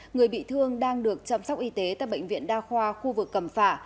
người bị thương đang được chăm sóc y tế tại bệnh viện đa khoa khu vực cẩm phả